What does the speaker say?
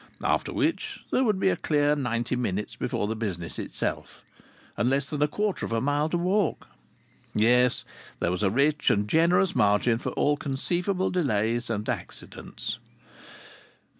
After which there would be a clear ninety minutes before the business itself and less than a quarter of a mile to walk! Yes, there was a rich and generous margin for all conceivable delays and accidents.